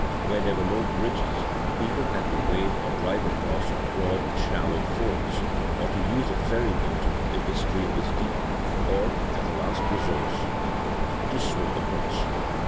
Where there were no bridges people had to wade or drive across broad shallow fords: or to use a ferryboat if the stream was deep; or as a last resource to swim across.